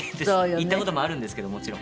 行った事もあるんですけどもちろん。